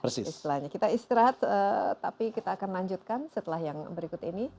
istilahnya kita istirahat tapi kita akan lanjutkan setelah yang berikut ini